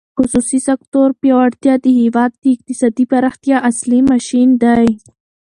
د خصوصي سکتور پیاوړتیا د هېواد د اقتصادي پراختیا اصلي ماشین دی.